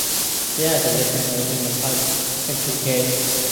There is a transcendence in her empty gaze.